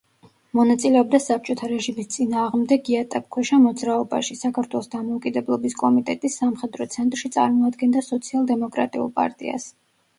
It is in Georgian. მონაწილეობდა საბჭოთა რეჟიმის წინააღმდეგ იატაკქვეშა მოძრაობაში; საქართველოს დამოუკიდებლობის კომიტეტის „სამხედრო ცენტრში“ წარმოადგენდა სოციალ-დემოკრატიულ პარტიას.